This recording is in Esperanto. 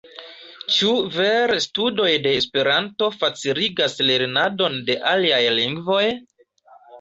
Ĉu vere studoj de Esperanto faciligas lernadon de aliaj lingvoj?